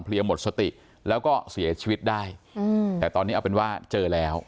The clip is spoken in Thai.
หมดสติแล้วก็เสียชีวิตได้อืมแต่ตอนนี้เอาเป็นว่าเจอแล้ว